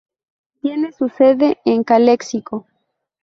Tiene su sede en Calexico.